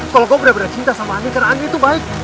kalau gue benar benar cinta sama andi karena andi itu baik